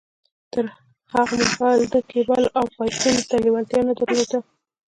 تر هغه مهاله ده کېبلو او پایپونو ته لېوالتیا نه در لوده